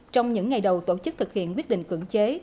trong những ngày đầu tổ chức thực hiện quyết định cưỡng chế